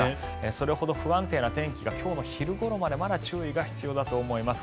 それほど不安定な天気が今日の昼頃までまだ注意が必要だと思います。